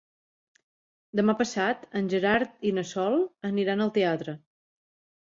Demà passat en Gerard i na Sol aniran al teatre.